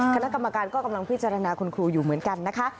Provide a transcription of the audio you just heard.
คณะกรรมการก็กำลังพิจารณาคุณครูอยู่เหมือนกันนะคะ